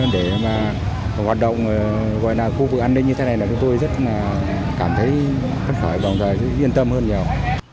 để mà hoạt động gọi là khu vực an ninh như thế này là tôi rất là cảm thấy khách khởi bằng thời yên tâm hơn nhiều